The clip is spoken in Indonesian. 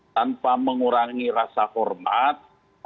tanpa mengurangi rasa hormat